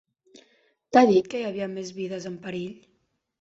T'ha dit que hi havia més vides en perill?